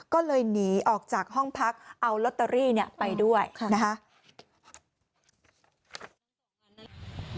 ก็เลยหนีออกจากห้องพักเอาลอตเตอรี่เนี่ยไปด้วยนะคะ